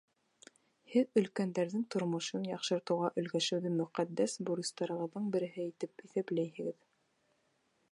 — Һеҙ өлкәндәрҙең тормошон яҡшыртыуға өлгәшеүҙе мөҡәддәс бурыстарығыҙҙың береһе тип иҫәпләйһегеҙ.